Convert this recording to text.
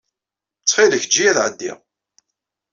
Ttxil-k, ejj-iyi ad ɛeddiɣ.